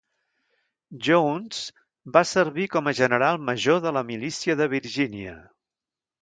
Jones va servir com a general major de la milícia de Virgínia.